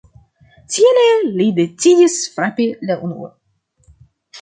Tiele li decidis frapi la unua.